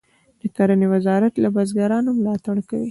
د کرنې وزارت له بزګرانو ملاتړ کوي